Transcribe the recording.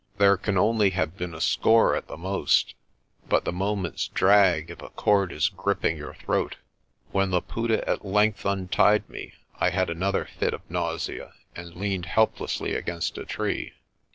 There can only have been a score at the most; but the moments drag if a cord is gripping your throat. When Laputa at length untied me, I had another fit of nausea and leaned helplessly against a tree.